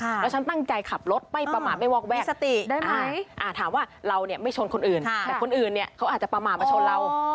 แล้วฉันตั้งใจขับรถไม่ประมาทไม่วอกแวกสติได้ไหมถามว่าเราเนี่ยไม่ชนคนอื่นแต่คนอื่นเนี่ยเขาอาจจะประมาทมาชนเรา